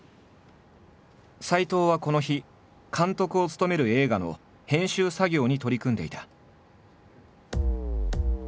斎藤はこの日監督を務める映画の編集作業に取り組んでいた。